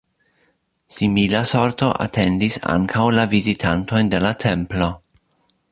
Simila sorto atendis ankaŭ la vizitantojn de la templo.